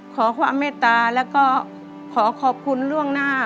ขอความเมตตาแล้วก็ขอขอบคุณล่วงหน้า